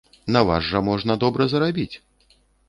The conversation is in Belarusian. На вас жа можна добра зарабіць.